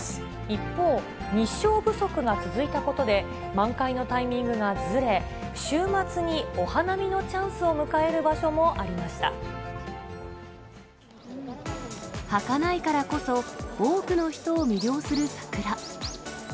一方、日照不足が続いたことで、満開のタイミングがずれ、週末にお花見のチャンスを迎える場所もはかないからこそ多くの人を魅了する桜。